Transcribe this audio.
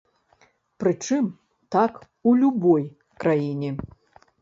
Прычым, так у любой краіне.